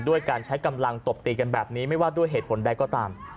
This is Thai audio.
ด้วยการใช้กำลังตบตีกันแบบนี้ไม่ว่าด้วยเหตุผลใดก็ตาม